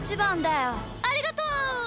ありがとう！